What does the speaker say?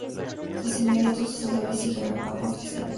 Sus inmediatos sucesores siguieron una pauta similar.